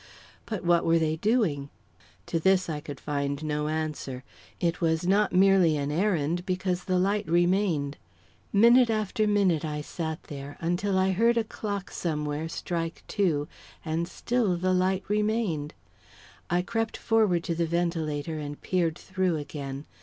But what were they doing? To this I could find no answer. It was not merely an errand, because the light remained. Minute after minute I sat there, until I heard a clock somewhere strike two, and still the light remained. I crept forward to the ventilator and peered through again.